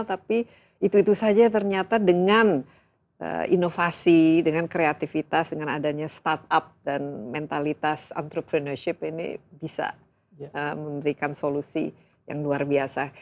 tapi itu itu saja ternyata dengan inovasi dengan kreativitas dengan adanya startup dan mentalitas entrepreneurship ini bisa memberikan solusi yang luar biasa